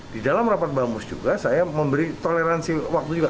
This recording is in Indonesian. di dalam rapat bamus juga saya memberi toleransi waktu juga